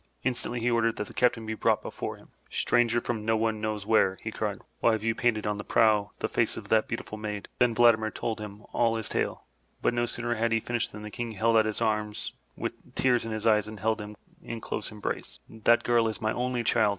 Instantly he ordered that the captain be brought before him. Stranger from no one knows where," he cried, "why have you painted on the prow the face of that beautiful maid?'' Then Vladimir told him all his tale, but no sooner had he finished than the King held out his arms with tears in his eyes, and held him in close embrace. 'That girl is my only child!''